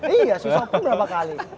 iya swiss open berapa kali